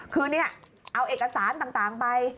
คือเนี่ยเอาเอกสารต่างไป